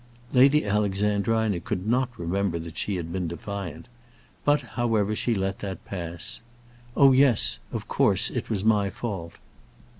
Lady Alexandrina could not remember that she had been defiant; but, however, she let that pass. "Oh, yes; of course it was my fault."